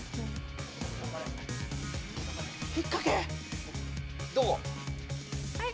引っかけ！